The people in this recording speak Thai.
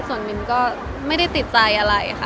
ส่วนมินก็ไม่ได้ติดใจอะไรค่ะ